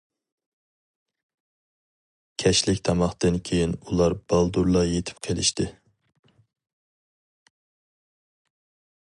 كەچلىك تاماقتىن كېيىن ئۇلار بالدۇرلا يېتىپ قېلىشتى.